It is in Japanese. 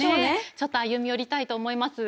ちょっと歩み寄りたいと思います。